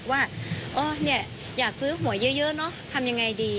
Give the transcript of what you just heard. ว่าอยากซื้อหวยเยอะเนอะทำอย่างไรดี